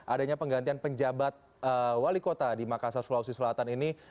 adanya penggantian penjabat wali kota di makassar sulawesi selatan ini